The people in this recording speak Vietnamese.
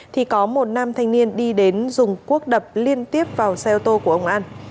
thì có một nam thanh niên đi đến dùng quốc đập liên tiếp vào xe ô tô của ông an